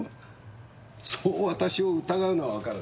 そう私を疑うのはわかる。